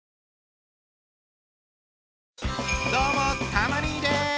どうもたま兄です。